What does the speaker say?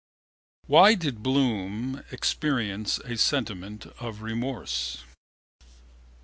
Why did Bloom experience a sentiment of remorse?